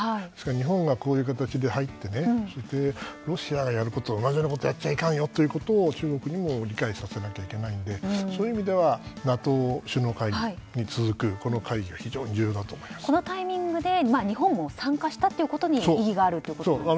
日本がこういう形で入ってロシアと同じことをやっちゃいかんよということを中国にも理解させなきゃいけないのでそういう意味ではＮＡＴＯ首脳会議に続くこの会議はこのタイミングで日本も参加したということに意義があるということですね。